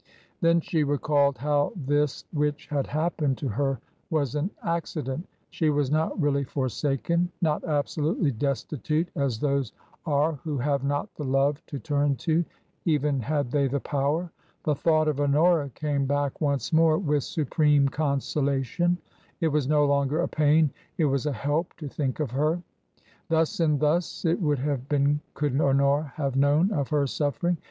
Then she recalled how this which had happened to her was an accident ; she was not really forsaken — not absolutely destitute as those are who have not the love to turn to, even had they the power. The thought of Honora came back once more with supreme consolation ; it was no longer a pain, it was a help to think of her. Thus and thus it would have been could Honora have known of her suffering.